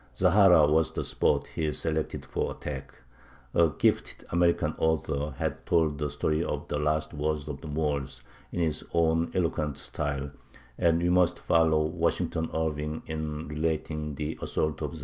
Zahara was the spot he selected for attack. A gifted American author has told the story of the last wars of the Moors in his own eloquent style; and we must follow Washington Irving in relating the assault of Zahara.